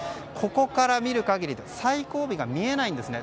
ここから見る限り最後尾が見えないんですね。